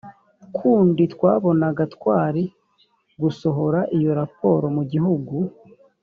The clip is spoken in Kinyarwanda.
kundi twabonaga twari gusohora iyo raporo mu gihugu